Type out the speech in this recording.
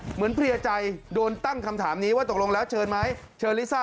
เหมือนเพรียไจโดนตั้งคำถามนี้ว่าตกลงแล้วเชิญมั้ยเชิญลิซ่า